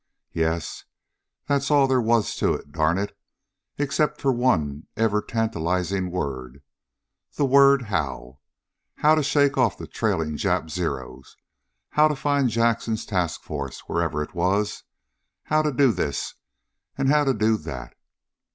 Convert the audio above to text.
Yes, that's all there was to it, darn it! Except for the one ever tantalizing word. The word how. How to shake off the trailing Jap Zeros? How to find Jackson's task force, wherever it was? How to do this? And how to do that?